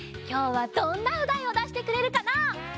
きょうはどんなおだいをだしてくれるかな？